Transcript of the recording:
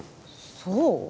そう？